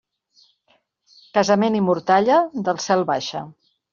Casament i mortalla, del cel baixa.